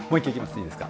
いいですか。